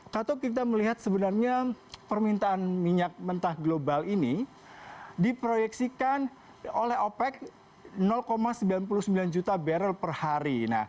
kato kita melihat sebenarnya permintaan minyak mentah global ini diproyeksikan oleh opec sembilan puluh sembilan juta barrel per hari